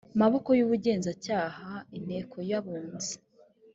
maboko y ubugenzacyaha inteko y abunzi